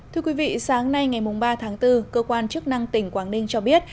thưa quý vị sáng nay ngày ba tháng bốn cơ quan chức năng tỉnh quảng ninh cho biết